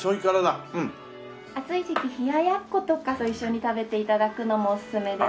暑い時期冷ややっことかと一緒に食べて頂くのもおすすめです。